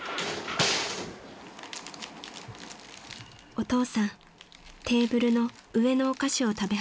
［お父さんテーブルの上のお菓子を食べ始めました］